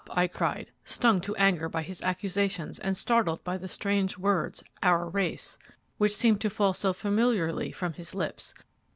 I cried, stung to anger by his accusations and startled by the strange words, 'our race,' which seemed to fall so familiarly from his lips.